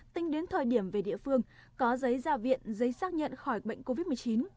tính đến thời điểm về địa phương có giấy ra viện giấy xác nhận khỏi bệnh covid một mươi chín